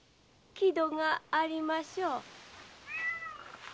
木戸がありましょう？